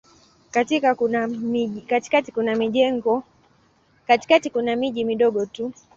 Katikati kuna miji midogo tu.